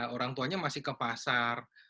orang tuanya masih ke pasar